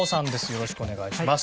よろしくお願いします。